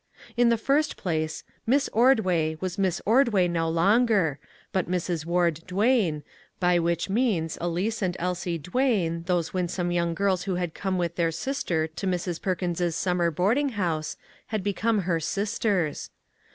In the first place, Miss Ordway was Miss Ordway no longer, but Mrs. Ward Duane, by which means Elise and Elsie Duane, those winsome young girls who had come with their sister to Mrs. Perkins's summer boarding house, had become her sisters.